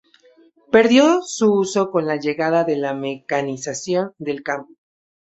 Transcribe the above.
Perdió su uso con la llegada de la mecanización del campo.